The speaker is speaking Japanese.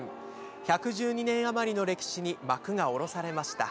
１１２年余りの歴史に幕が下ろされました。